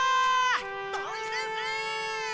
土井先生！